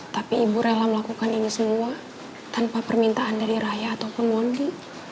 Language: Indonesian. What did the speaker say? tapi ibu rela melakukan ini semua tanpa permintaan dari raya ataupun mondi